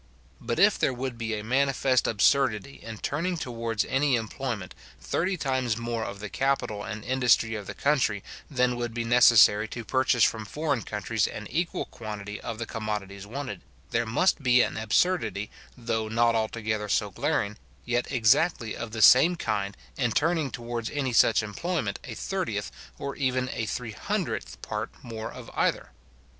But if there would be a manifest absurdity in turning towards any employment thirty times more of the capital and industry of the country than would be necessary to purchase from foreign countries an equal quantity of the commodities wanted, there must be an absurdity, though not altogether so glaring, yet exactly of the same kind, in turning towards any such employment a thirtieth, or even a three hundredth part more of either.